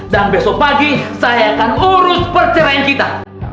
dan besok pagi saya akan urus perceraian kita